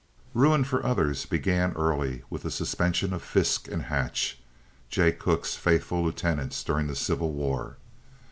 Ruin for others began early with the suspension of Fisk & Hatch, Jay Cooke's faithful lieutenants during the Civil War.